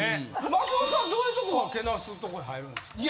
松本さんどういうとこがけなすとこに入るんですか？